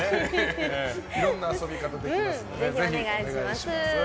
いろんな遊び方ができますのでぜひお願いします。